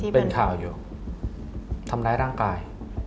เป็นข่าวอยู่ทำร้ายร่างกาย